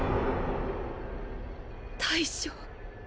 大将